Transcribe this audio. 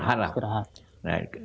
sebenarnya berkeinginan untuk istirahat